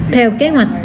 theo kế hoạch